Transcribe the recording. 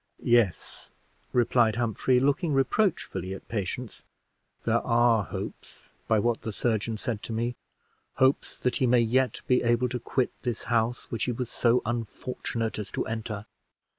"Yes," replied Humphrey, looking reproachfully at Patience, "there are hopes, by what the surgeon said to me hopes that he may yet be able to quit this house which he was so unfortunate as to enter."